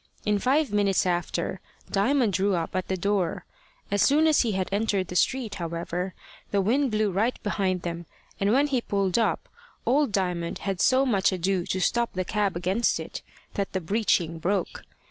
In five minutes after, Diamond drew up at the door. As soon as he had entered the street, however, the wind blew right behind them, and when he pulled up, old Diamond had so much ado to stop the cab against it, that the breeching broke.